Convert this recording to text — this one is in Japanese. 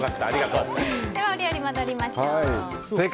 お料理戻りましょう。